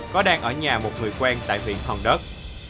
có đang ở nhà một người quen tại huyện hòn đất